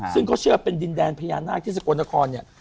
ซึ่งเขาเชื่อเป็นดินแดนพญานาคที่สกลนครเนี่ย